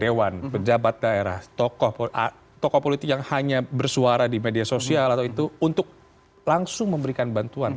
dewan pejabat daerah tokoh politik yang hanya bersuara di media sosial atau itu untuk langsung memberikan bantuan